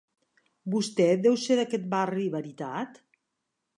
Vostè deu ser d'aquet barri veritat?